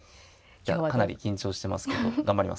かなり緊張してますけど頑張ります。